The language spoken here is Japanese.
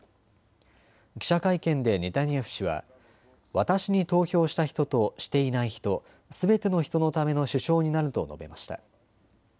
記者会見でネタニヤフ氏は、私に投票した人としていない人、すべての人のための首相になると述べました。